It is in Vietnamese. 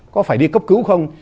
có phải đi cấp cứu không